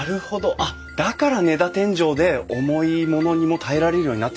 あっだから根太天井で重い物にも耐えられるようになってるんですね。